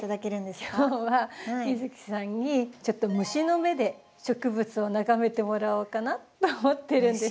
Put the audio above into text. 今日は美月さんにちょっと虫の目で植物を眺めてもらおうかなと思ってるんです。